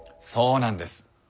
そうなんです。